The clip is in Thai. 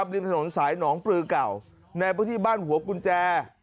ริมถนนสายหนองปลือเก่าในพื้นที่บ้านหัวกุญแจ